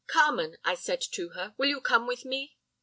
"'Carmen,' I said to her, 'will you come with me?